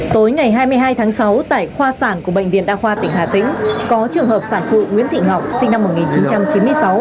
tối ngày hai mươi hai tháng sáu tại khoa sản của bệnh viện đa khoa tỉnh hà tĩnh có trường hợp sản phụ nguyễn thị ngọc sinh năm một nghìn chín trăm chín mươi sáu